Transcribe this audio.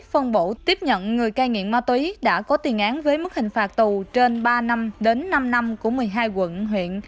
phân bổ tiếp nhận người cai nghiện ma túy đã có tiền án với mức hình phạt tù trên ba năm đến năm năm của một mươi hai quận huyện